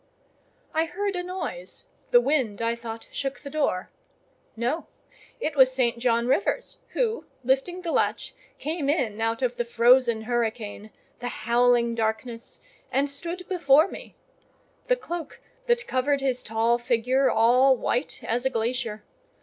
I heard a noise: the wind, I thought, shook the door. No; it was St. John Rivers, who, lifting the latch, came in out of the frozen hurricane—the howling darkness—and stood before me: the cloak that covered his tall figure all white as a glacier.